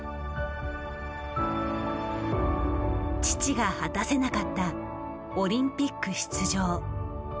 父が果たせなかったオリンピック出場。